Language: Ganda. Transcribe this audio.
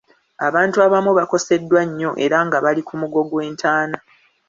Abantu abamu baakoseddwa nnyo era nga bali ku mugo gw'entaana.